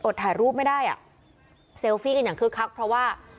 ถ่ายรูปไม่ได้อ่ะเซลฟี่กันอย่างคึกคักเพราะว่า